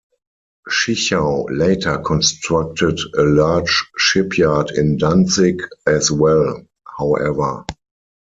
Schichau later constructed a large shipyard in Danzig as well, however.